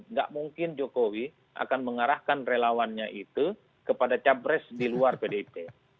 nggak mungkin jokowi akan mengarahkan relawannya itu kepada capres di luar pdip